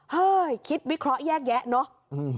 เฮ้ยคิดวิเคราะห์แยกแยะเนาะ